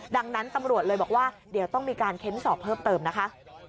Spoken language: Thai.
ดังนั้นตำรวจเลยบอกว่าเดี๋ยวต้องมีการเค้นสอบเพิ่มเติมนะคะ